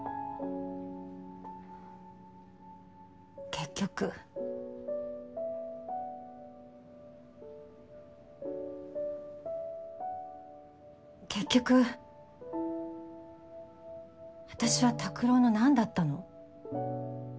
結局結局私は拓郎の何だったの？